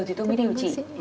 thì tôi mới điều trị